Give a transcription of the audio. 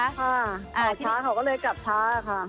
ค่ะช้าเขาก็เลยกลับช้าค่ะ